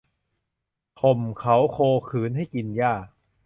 ข่มเขาโคขืนให้กินหญ้า